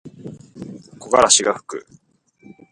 木枯らしがふく。